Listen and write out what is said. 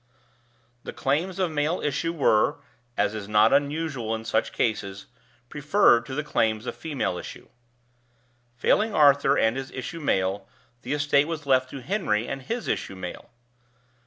The claims of male issue were, as is not unusual in such cases, preferred to the claims of female issue. Failing Arthur and his issue male, the estate was left to Henry and his issue male.